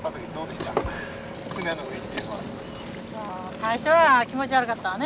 最初は気持ち悪かったわね。